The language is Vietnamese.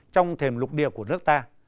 trong thềm lục địa của nước ta